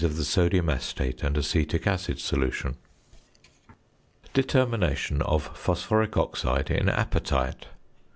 of the sodium acetate and acetic acid solution. ~Determination of Phosphoric Oxide in Apatite.